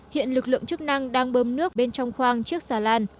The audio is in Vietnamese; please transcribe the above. hiện lực lượng chức năng đang bơm nước bên trong khoang chiếc xà lan